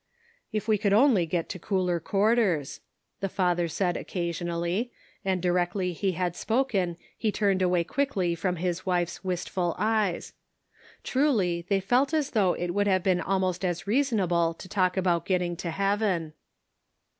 " If we could only get to cooler quarters," the father said occasionally, and directly he had spoken he turned away quickly from his wife's wistful eyes. Truly, they felt as though it would have been almost as reasonable to talk about getting to heaven.